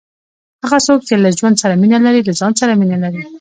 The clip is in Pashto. هغه څوک، چي له ژوند سره مینه لري، له ځان سره مینه لري.